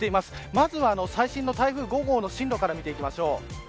まずは最新の台風５号の進路から見ていきましょう。